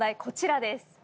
こちらです。